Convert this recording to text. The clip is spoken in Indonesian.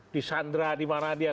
di sandra dimana dia